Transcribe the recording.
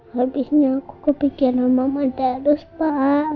habisnya aku kepikiran mama terus pa